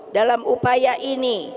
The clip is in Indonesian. dalam upaya ini